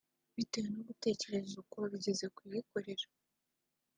bitewe no gutekereza uko bigeze kuyikorera